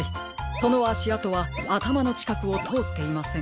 そのあしあとはあたまのちかくをとおっていません。